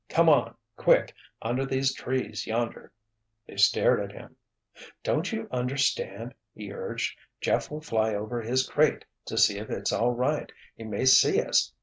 Come on, quick—under these trees yonder!" They stared at him. "Don't you understand?" he urged. "Jeff will fly over his crate to see if it's all right. He may see us.